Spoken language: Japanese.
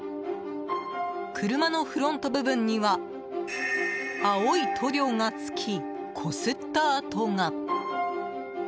車のフロント部分には青い塗料がつき、こすった跡が。